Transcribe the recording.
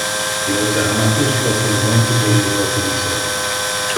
Io te ama plus profundemente que io pote dicer.